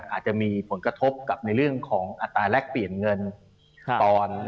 อาจจะมีผลกระทบกับในเรื่องของอัตราแลกเปลี่ยนเงินตอน